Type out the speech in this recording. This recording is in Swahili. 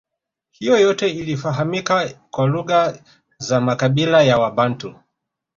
Hiyo yote ilifahamika kwa lugha za makabila ya wabantu